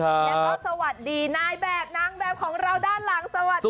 แล้วก็สวัสดีนายแบบนางแบบของเราด้านหลังสวัสดีค่ะ